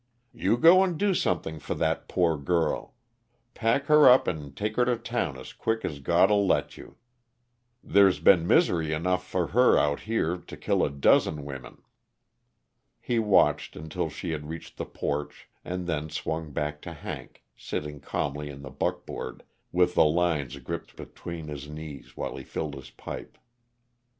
"You go and do something for that poor girl. Pack her up and take her to town as quick as God'll let you. There's been misery enough for her out here to kill a dozen women." He watched until she had reached the porch, and then swung back to Hank, sitting calmly in the buckboard, with the lines gripped between his knees while he filled his pipe.